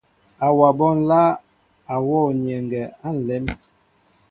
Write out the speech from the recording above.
Awaɓó nláá a wɔ nyɛŋgɛ á nlém.